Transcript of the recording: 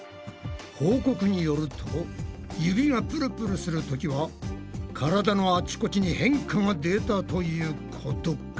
報告によると指がプルプルするときは体のあちこちに変化が出たということか。